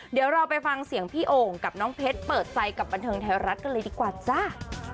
เดี๋ยวเราไปฟังเสียงพี่โอ่งกับน้องเพชรเปิดใจกับบันเทิงไทยรัฐกันเลยดีกว่าจ้า